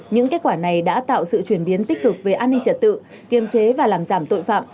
những kết quả này đã tạo sự chuyển biến tích cực về an ninh trật tự kiềm chế và làm giảm tội phạm